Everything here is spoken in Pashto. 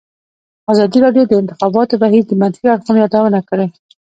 ازادي راډیو د د انتخاباتو بهیر د منفي اړخونو یادونه کړې.